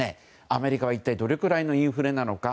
アメリカは一体どれくらいのインフレなのか。